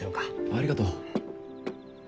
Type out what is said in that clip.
ありがとう。